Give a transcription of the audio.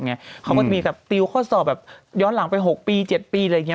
เขาก็จะมีแบบติวข้อสอบแบบย้อนหลังไป๖ปี๗ปีอะไรอย่างนี้